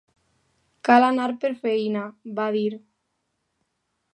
Cal anar per feina, va dir.